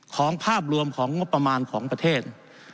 ภาพรวมของงบประมาณของประเทศ